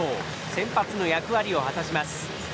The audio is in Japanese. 先発の役割を果たします。